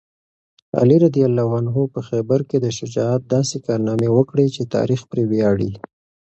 علي رض په خیبر کې د شجاعت داسې کارنامې وکړې چې تاریخ پرې ویاړي.